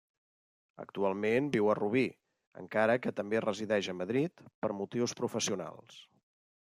Actualment viu a Rubí, encara que també resideix a Madrid, per motius professionals.